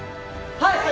はい！